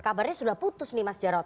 kabarnya sudah putus nih mas jarod